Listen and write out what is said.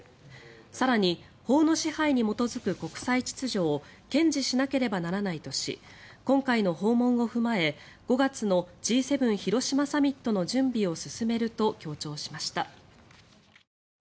更に法の支配に基づく国際秩序を堅持しなければならないとし今回の訪問を踏まえ５月のＧ７広島サミットの準備を進めると強調しました。